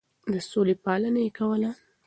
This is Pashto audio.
د سولې پالنه يې کوله.